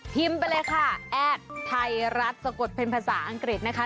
ไปเลยค่ะแอดไทยรัฐสะกดเป็นภาษาอังกฤษนะคะ